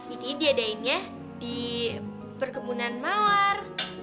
ini diadainya di perkebunan mawar